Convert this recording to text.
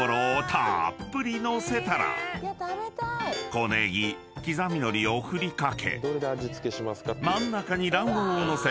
［小ネギ刻みのりを振り掛け真ん中に卵黄を載せ